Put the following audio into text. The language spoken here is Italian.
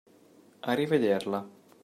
A rivederla!